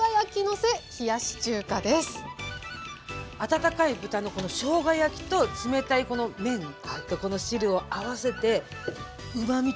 温かい豚のこのしょうが焼きと冷たいこの麺とこの汁を合わせてうまみとね